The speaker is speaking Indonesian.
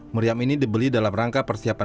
meriam ini dibeli dalam rangka persiapan